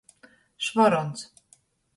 Švorons.